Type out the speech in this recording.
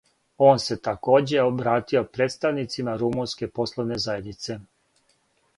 Он се такође обратио представницима румунске пословне заједнице.